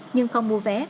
nhưng không mua vé